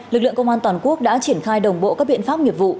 lực lượng công an toàn quốc đã triển khai đồng bộ các biện pháp nghiệp vụ